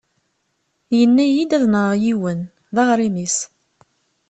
Yenna-yi ad nɣeɣ yiwen! D aɣrim-is.